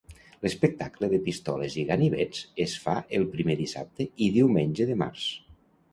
L'espectacle de pistoles i ganivets es fa el primer dissabte i diumenge de març.